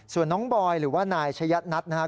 ส่วนน้องบอยหรือว่านายชะยะนัทนะครับ